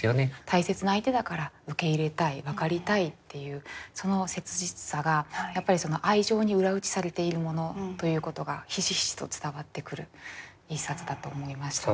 大切な相手だから受け入れたい分かりたいっていうその切実さが愛情に裏打ちされているものということがひしひしと伝わってくる一冊だと思いました。